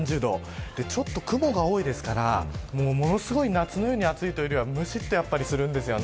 ちょっと雲が多いですからものすごい夏のように暑いというよりは、やっぱりむしっとするんです。